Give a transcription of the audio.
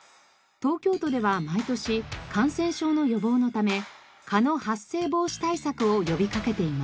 東京都では毎年感染症の予防のため蚊の発生防止対策を呼びかけています。